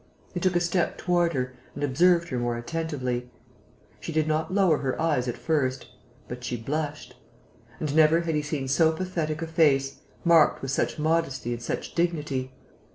He took a step toward her and observed her more attentively. She did not lower her eyes at first. But she blushed. And never had he seen so pathetic a face, marked with such modesty and such dignity.